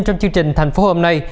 trong chương trình thành phố hôm nay